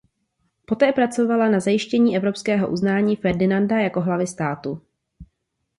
Poté pracovala na zajištění evropského uznání Ferdinanda jako hlavy státu.